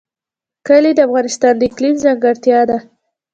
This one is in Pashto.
کلي د افغانستان د اقلیم ځانګړتیا ده.